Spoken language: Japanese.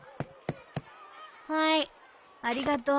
はい。ありがと。